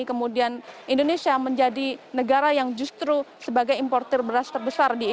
kemudian indonesia menjadi negara yang justru sebagai importer beras terbesar di indonesia